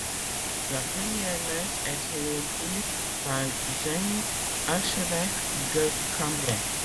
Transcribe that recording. La première messe est célébrée par Jenny, archevêque de Cambrai.